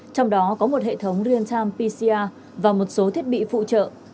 trong đó có một hệ thống real time pcr và một số thiết bị phụ trợ